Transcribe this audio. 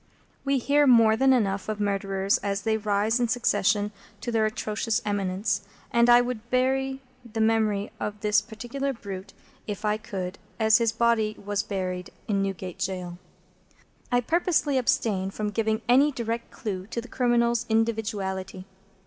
We hear more than enough of murderers as they rise in succession to their atrocious eminence, and I would bury the memory of this particular brute, if I could, as his body was buried, in Newgate Jail. I purposely abstain from giving any direct clue to the criminal's individuality.